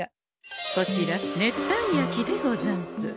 こちら熱帯焼きでござんす。